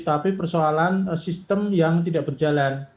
tapi persoalan sistem yang tidak berjalan